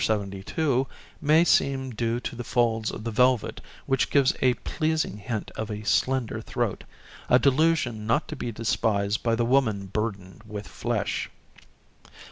72 may seem due to the folds of the velvet, which give a pleasing hint of a slender throat, a delusion not to be despised by the woman burdened with flesh.